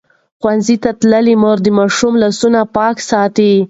ښوونځې تللې مور د ماشوم لاسونه پاک ساتي.